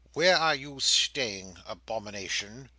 "Where are you staying, abomination?"